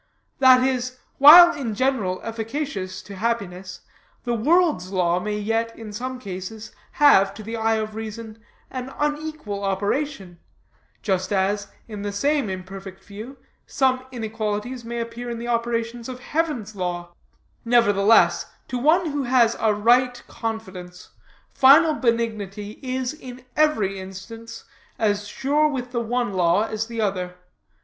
That is, while in general efficacious to happiness, the world's law may yet, in some cases, have, to the eye of reason, an unequal operation, just as, in the same imperfect view, some inequalities may appear in the operations of heaven's law; nevertheless, to one who has a right confidence, final benignity is, in every instance, as sure with the one law as the other.